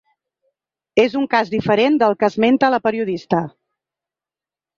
És un cas diferent del que esmenta la periodista.